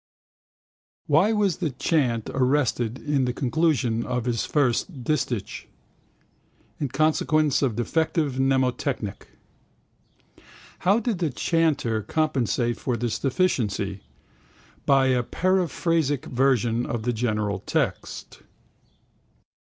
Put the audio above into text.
Why was the chant arrested at the conclusion of this first distich? In consequence of defective mnemotechnic. How did the chanter compensate for this deficiency? By a periphrastic version of the general text.